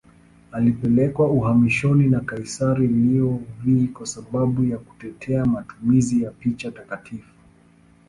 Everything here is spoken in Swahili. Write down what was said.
Alipelekwa uhamishoni na kaisari Leo V kwa sababu ya kutetea matumizi ya picha takatifu.